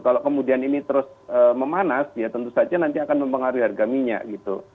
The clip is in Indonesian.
kalau kemudian ini terus memanas ya tentu saja nanti akan mempengaruhi harga minyak gitu